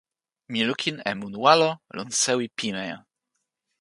mi lukin e mun walo lon sewi pimeja.